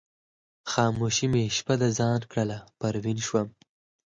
خاموشي مې شپه د ځان کړله پروین شوم